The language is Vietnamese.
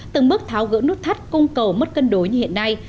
từng bước tháo gỡ nút thắt cung cầu mất cân đối như hiện nay